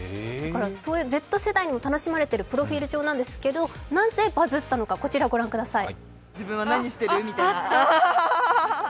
Ｚ世代にも楽しまれているプロフィール帳なんですけどなぜバズったのかこちら御覧ください。